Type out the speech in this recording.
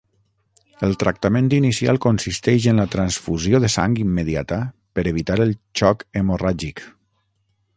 El tractament inicial consisteix en la transfusió de sang immediata per evitar el xoc hemorràgic.